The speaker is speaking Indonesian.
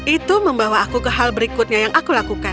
itu membawa aku ke hal berikutnya yang aku lakukan